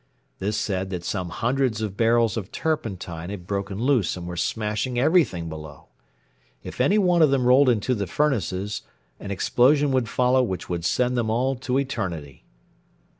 This said that some hundreds of barrels of turpentine had broken loose and were smashing everything below. If any one of them rolled into the furnaces an explosion would follow which would send them all to eternity.